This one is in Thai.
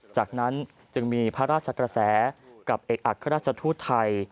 จากนั้นจึงมีพระราชกระแสกับเอกอัครราชทูตไทย